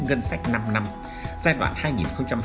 ngân sách năm năm giai đoạn hai nghìn hai mươi một hai nghìn hai mươi năm